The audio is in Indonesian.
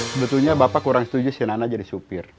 sebetulnya bapak kurang setuju sih nana jadi supir